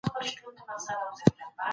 اعزاز ورکول د چا د هڅو قدرداني ده.